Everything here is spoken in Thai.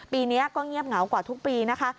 ปีนี้ก็เงียบเหงากว่าทุกปีนะคะ